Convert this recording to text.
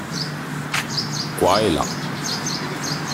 Qua e là.